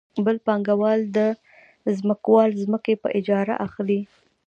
بل پانګوال د ځمکوال ځمکې په اجاره اخلي